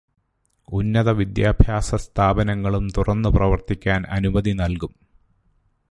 ഉന്നത വിദ്യാഭ്യാസസ്ഥാപനങ്ങളും തുറന്നു പ്രവര്ത്തിക്കാന് അനുമതി നല്കും.